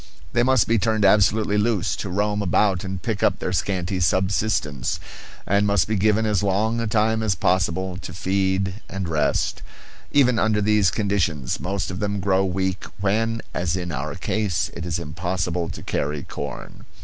They must be turned absolutely loose to roam about and pick up their scanty subsistence, and must be given as long a time as possible to feed and rest; even under these conditions most of them grow weak when, as in our case, it is impossible to carry corn.